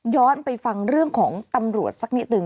ไปฟังเรื่องของตำรวจสักนิดหนึ่ง